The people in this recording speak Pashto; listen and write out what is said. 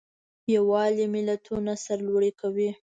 یووالی ملتونه سرلوړي کوي.